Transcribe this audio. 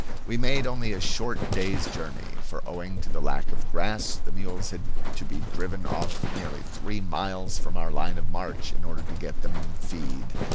We made only a short day's journey, for, owing to the lack of grass, the mules had to be driven off nearly three miles from our line of march, in order to get them feed.